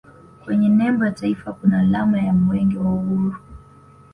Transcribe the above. kwenye nembo ya taifa kuna alama ya mwenge wa uhuru